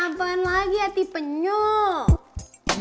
apaan lagi hati penyok